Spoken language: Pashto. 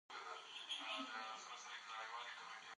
د ناول زمان او مکان هم د پېښو سره ډېر ښه تناسب لري.